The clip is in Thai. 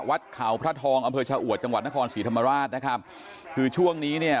วัดเขาพระทองอำเภอชะอวดจังหวัดนครศรีธรรมราชนะครับคือช่วงนี้เนี่ย